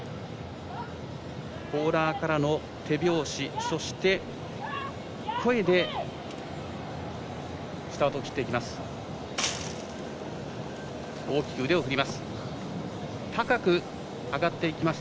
コーラーからの手拍子そして声でスタートを切っていきます。